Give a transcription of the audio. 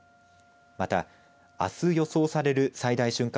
また、あす予想される最大瞬間